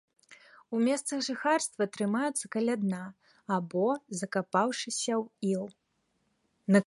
У месцах жыхарства трымаюцца каля дна або закапаўшыся ў іл.